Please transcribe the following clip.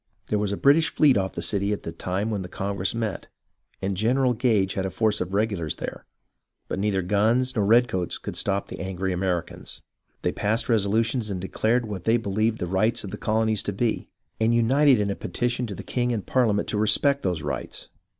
There was a British fleet off the city at the time when this congress met, and General Gage had a force of regulars there, but neither guns nor redcoats could stop the angry Americans. They passed resolutions and de clared what they beheved the rights of the colonies to be, and united in a petition to the king and Parliament to respect those rights.